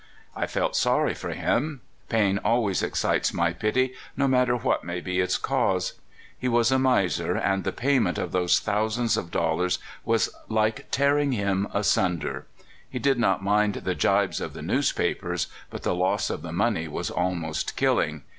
I felt sorry for him. Pain alwa3'S excites my pity, no matter what ma}^ be its cause. He was a miser, and the pa3^ment of those thousands of dollars was like tearing him asunder. He did not mind the gibes of the newspapers, but the loss of the money was almost killing.